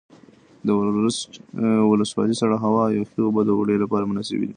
د ورسج ولسوالۍ سړه هوا او یخې اوبه د اوړي لپاره مناسبې دي.